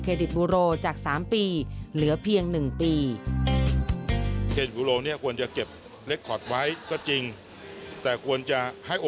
ิตบูโรจาก๓ปีเหลือเพียง๑ปี